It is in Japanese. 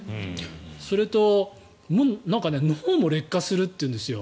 それと脳も劣化するというんですよ